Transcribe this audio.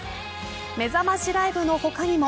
めざましライブの他にも